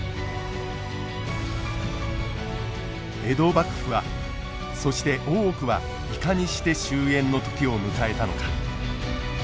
江戸幕府はそして大奥はいかにして終えんの時を迎えたのか。